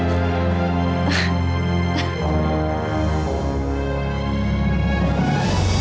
masih ingin bayangkan soal masalah di perumahan